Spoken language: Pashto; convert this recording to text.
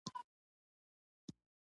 وزې له لمریز ورځو سره مینه لري